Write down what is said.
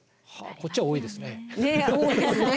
こっちは多いですね。